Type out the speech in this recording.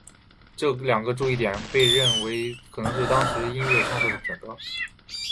这两个注意点被认为可能是当时音乐创作的准则。